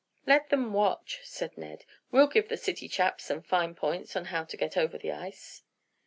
"Let them watch!" said Ned. "We'll give the city chaps some fine points on how to get over the ice!"